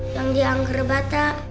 yang diangger bata